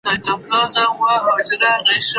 که ښوونکی تل غوسه وي نو ټولګی د زندان بڼه خپلوي.